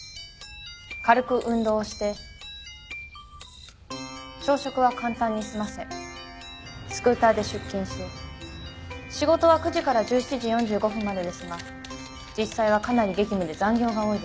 軽く運動をして朝食は簡単に済ませスクーターで出勤し仕事は９時から１７時４５分までですが実際はかなり激務で残業が多いです。